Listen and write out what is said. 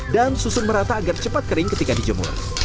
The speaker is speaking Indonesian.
dan susun merata agar cepat kering ketika dijemur